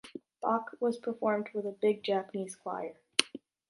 Bach was performed with a big Japanese choir.